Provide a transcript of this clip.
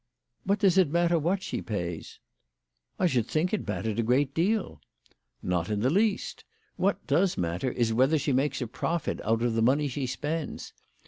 " What does it matter what she pays ?"" I should think it mattered a great deal." " Not in the least. What does matter is whether she makes a profit out of the money she spends.